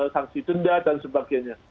sangsi denda dan sebagainya